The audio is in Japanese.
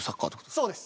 そうです。